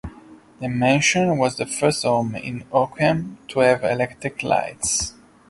The mansion was the first home in Hoquiam to have electric lights.